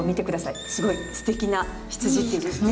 すごいすてきな「羊」っていう字ですね。